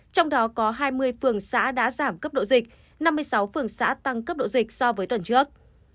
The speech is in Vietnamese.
trong đó có hai mươi phường xã đã giảm cấp độ dịch năm mươi sáu phường xã tăng cấp độ dịch so với tuần trước